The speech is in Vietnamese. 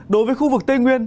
đối với khu vực tây nguyên